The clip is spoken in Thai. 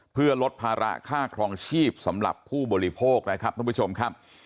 เพื่อลดภาระค่าครองชีพสำหรับผู้บริโภคนะครับท่านผู้ชมครับ